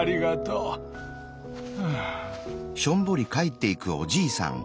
うん。